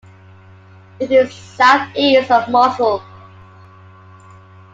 It is southeast of Mosul.